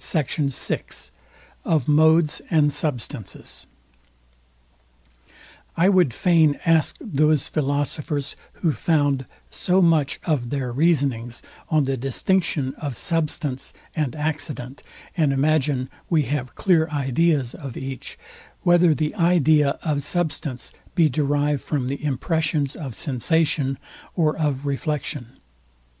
SECT. VI. OF MODES AND SUBSTANCES I would fain ask those philosophers, who found so much of their reasonings on the distinction of substance and accident, and imagine we have clear ideas of each, whether the idea of substance be derived from the impressions of sensation or of reflection?